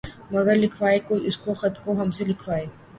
مگر لکھوائے کوئی اس کو خط تو ہم سے لکھوائے